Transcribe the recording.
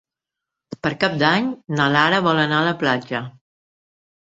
Per Cap d'Any na Lara vol anar a la platja.